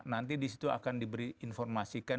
nanti disitu akan diberi informasikan